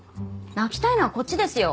泣きたいのはこっちですよ！